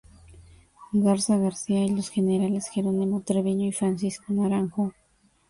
Garza García y los generales Jerónimo Treviño y Francisco Naranjo.